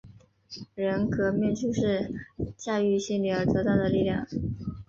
人格面具是驾驭心灵而得到的力量。